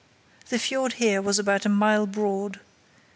The fiord here was about a mile broad.